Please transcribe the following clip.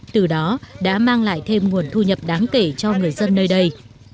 từ đó đã mang lại thêm nguồn thu nhập đáng kể cho người dân nơi đây